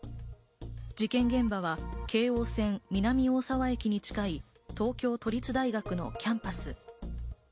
事件現場は京王線・南大沢駅に近い東京都立大学のキャンパス。